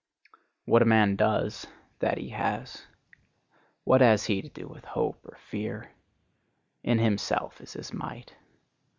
What a man does, that he has. What has he to do with hope or fear? In himself is his might.